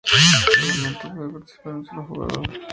Solamente puede participar un solo jugador.